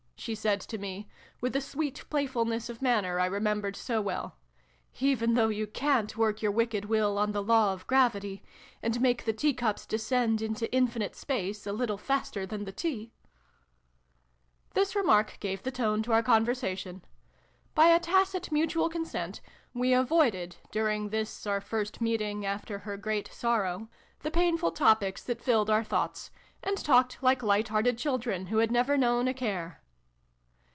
" she said to me, xix] A FAIRY DUET. 293 with the sweet playfulness of manner I remem bered so well, " even though you cant work your wicked will on the Law of Gravity, and make the teacups descend into Infinite Space, a little faster than the tea !" This remark gave the tone to our conversa tion. By a tacit mutual consent, we avoided, during this our first meeting after her great sorrow, the painful topics that filled our thoughts, and talked like light hearted children who had never known a care.